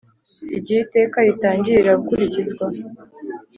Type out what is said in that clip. Igihe iteka ritangirira gukurikizwa